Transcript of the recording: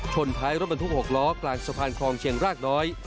ท้ายรถบรรทุก๖ล้อกลางสะพานคลองเชียงรากน้อย